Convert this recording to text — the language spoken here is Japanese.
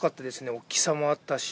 大きさもあったし。